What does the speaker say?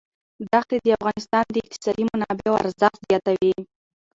دښتې د افغانستان د اقتصادي منابعو ارزښت زیاتوي.